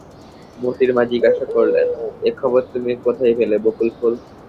মোতির মা জিজ্ঞাসা করলে, এ খবর তুমি কোথায় পেলে বকুলফুল?